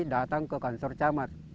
datang ke kanser camat